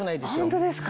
ホントですか？